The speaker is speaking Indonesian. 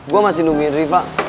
gue masih nungguin riva